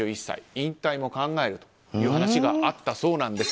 引退も考えるという話があったそうです。